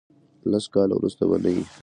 لس کاله ورسته به نه یی.